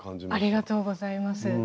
ありがとうございます。